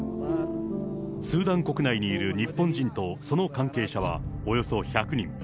スーダン国内にいる日本人とその関係者は、およそ１００人。